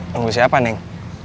tunggu siapa neng